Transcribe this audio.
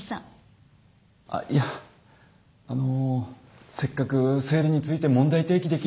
あっいやあのせっかく生理について問題提起できる。